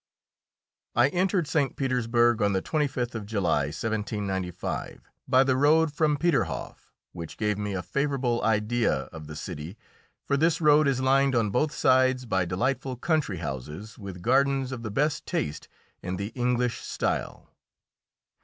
I entered St. Petersburg on the 25th of July, 1795, by the road from Peterhoff, which gave me a favourable idea of the city, for this road is lined on both sides by delightful country houses, with gardens of the best taste in the English style.